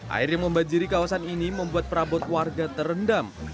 air yang membanjiri kawasan ini membuat perabot warga terendam